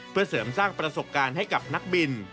เพื่อเสริมสร้างประสบการณ์ให้กับนักบิน